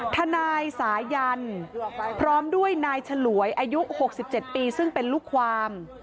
ทนายสายันพร้อมด้วยนายฉลวยอายุ๖๗ปีซึ่งเป็นลูกความ